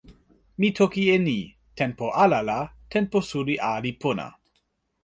mi toki e ni: tenpo ala la, tenpo suli a li pona.